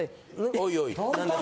おいおい。